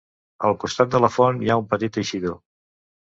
Al costat de la font hi ha un petit eixidor.